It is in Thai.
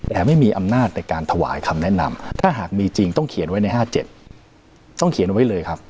แต่ไม่มีอำนาจในการถวายคำแนะนำถ้าหากมีจริงต้องเขียนไว้ใน๕๗ต้องเขียนไว้เลยครับ